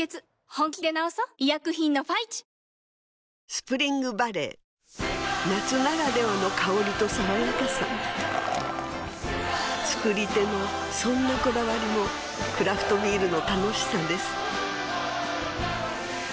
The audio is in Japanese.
スプリングバレー夏ならではの香りと爽やかさ造り手のそんなこだわりもクラフトビールの楽しさです